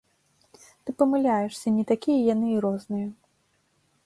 Ты памыляешся, не такія яны і розныя.